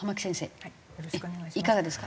よろしくお願いします。